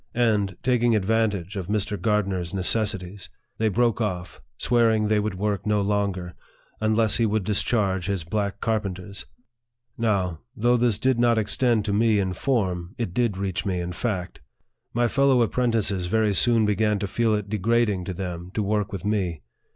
And, taking advantage of Mr. Gardner's necessities, they broke off, swearing they Would work no longer, unless he would discharge his black carpen ters. Now, though this did not extend to me in form, it did reach me in fact. My fellow apprentices very soon began to feel it degrading to them to work with me.